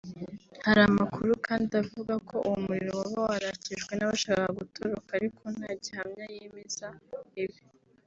Hari amakuru kandi avuga ko uwo muriro waba warakijwe n’abashakaga gutoroka ariko nta gihamya yemeza ibi